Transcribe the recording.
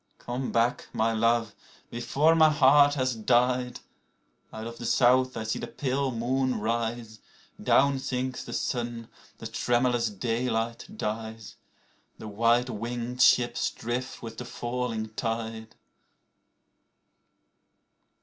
Come back ! my love, before my heart has died. (Out of the South I see the pale moon rise.) Down sinks the sun, the tremulous daylight dies, The white winged ships drift with the falling tide.